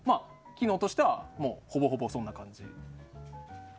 機能としてはほぼほぼ、そんな感じ。